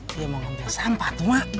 dia mau ngambil sampah tuh emang